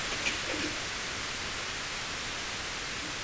卷毛豇豆为豆科豇豆属的植物。